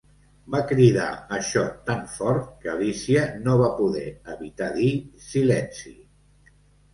Va cridar això tan fort que Alicia no va poder evitar dir "Silenci!"